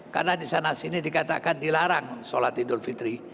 karena di sana sini dikatakan dilarang sholat idul fitri